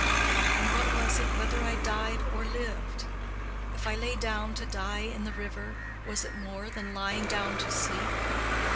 And what was it whether I died or lived? If I lay down to die in the river, was it more than lying down to sleep?